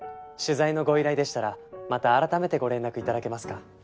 取材のご依頼でしたらまた改めてご連絡頂けますか。